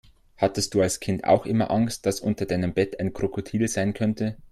Hattest du als Kind auch immer Angst, dass unter deinem Bett ein Krokodil sein könnte?